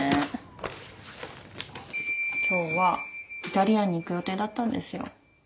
今日はイタリアンに行く予定だったんですよ。